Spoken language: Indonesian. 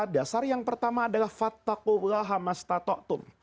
dasar yang pertama adalah fattaqullaha mastatoktum